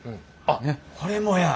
あっこれもや。